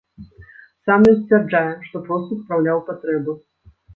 Сам ён сцвярджае, што проста спраўляў патрэбу.